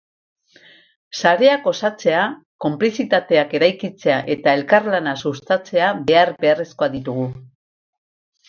Sareak osatzea, konplizitateak eraikitzea eta elkarlana sustatzea behar-beharrezkoak ditugu.